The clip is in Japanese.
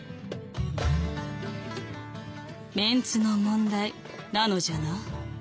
「メンツの問題なのじゃな」。